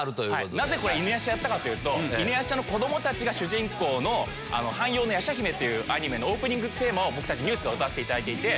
なぜ犬夜叉やったかというと犬夜叉の子供たちが主人公の『半妖の夜叉姫』というアニメのオープニングテーマを僕たちＮＥＷＳが歌わせていただいていて。